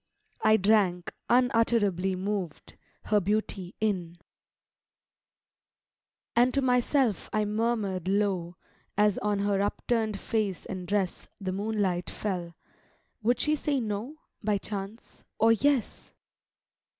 — I drank, unutterably moved, Her beauty in: And to myself I murmur'd low, As on her upturn'd face and dress The moonlight fell, "Would she say No, By chance, or Yes?"